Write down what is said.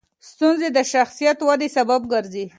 ستونزې د شخصیت ودې سبب ګرځي.